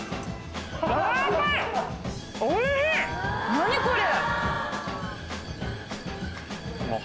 何これ！